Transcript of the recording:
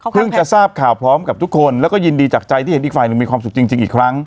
จะทราบข่าวพร้อมกับทุกคนแล้วก็ยินดีจากใจที่เห็นอีกฝ่ายหนึ่งมีความสุขจริงอีกครั้ง